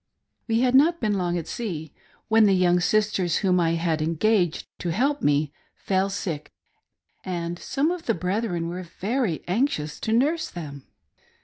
We had not been long at sea when the young sisters whom I had engaged to help me, fell sick, and some of the brethren were very anxious to nurse them.